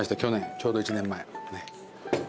ちょうど１年前。